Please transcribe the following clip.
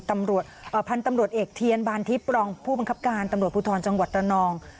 ท่านตำรวจเอกทียนบันทิปรองผู้บังคับการตำรวจผุดทรจังหวัดนอง